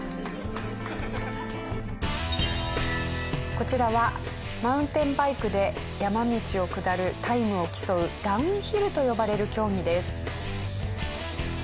こちらはマウンテンバイクで山道を下るタイムを競うダウンヒルと呼ばれる競技です。